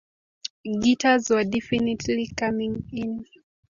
Guitars were definitely coming in.